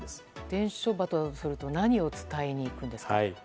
伝書バトだとすると何を伝えに行くんですか？